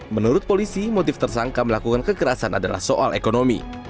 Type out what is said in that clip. menurut polisi motif tersangka melakukan kekerasan adalah soal ekonomi